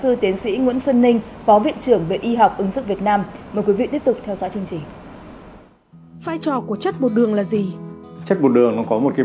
phó giáo sĩ tiến sĩ nguyễn xuân ninh phó viện trưởng viện y học ứng dụng việt nam mời quý vị tiếp tục theo dõi chương trình